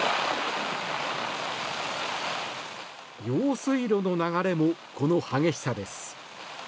用水路の流れもこの激しさです。